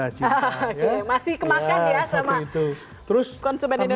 oke masih kemakan ya sama konsumen indonesia